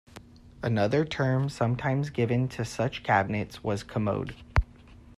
Another term sometimes given to such cabinets was commode.